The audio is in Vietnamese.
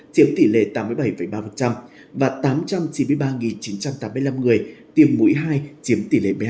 chiếm tỷ lệ tám mươi bảy ba và tám trăm chín mươi ba chín trăm tám mươi năm người tiêm mũi hai chiếm tỷ lệ một mươi hai